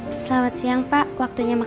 dan setelah itu saya akan berhubung dengan bapak